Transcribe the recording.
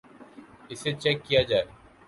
اسے چیک کیا جائے